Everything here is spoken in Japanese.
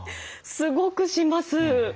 すごくします。